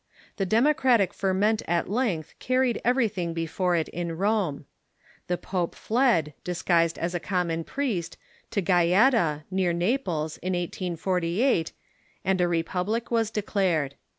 The demo cratic ferment at length carried everything before it in Rome. The pope fled, disguised as a common priest, to Gaeta, near Na ples, in 1848, and a republic was declared.